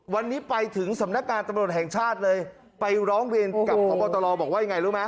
วันนี้ไปถึงสำนักการณ์ตำรวจแห่งชาติเลยไปร้องเวรกับของบอตรอบอกว่าอย่างไรรู้ไหม